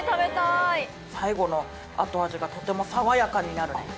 い最後の後味がとてもさわやかになるね